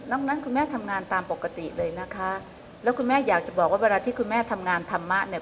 นั้นคุณแม่ทำงานตามปกติเลยนะคะแล้วคุณแม่อยากจะบอกว่าเวลาที่คุณแม่ทำงานธรรมะเนี่ย